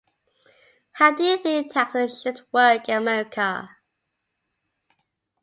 How do you think taxes should work in America?